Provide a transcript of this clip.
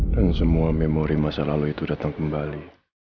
dan semua memori masa lalu itu datang kembali